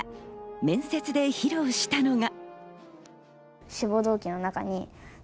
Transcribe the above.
面接で披露したのが。